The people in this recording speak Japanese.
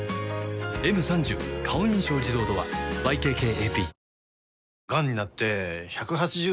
「Ｍ３０ 顔認証自動ドア」ＹＫＫＡＰ